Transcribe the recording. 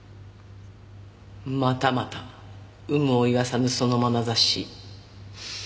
またまた有無を言わさぬそのまなざし。